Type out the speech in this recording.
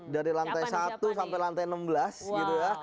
dari lantai satu sampai lantai enam belas gitu ya